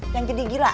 yang jadi gila